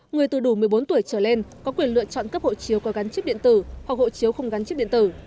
người từ đủ một mươi bốn tuổi trở lên có quyền lựa chọn cấp hộ chiếu có gắn chiếc điện tử hoặc hộ chiếu không gắn chiếc điện tử